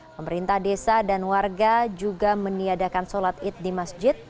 pemerintah desa dan warga juga meniadakan sholat id di masjid